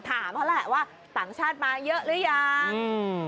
ถามเขาแหละว่าต่างชาติมาเยอะหรือยัง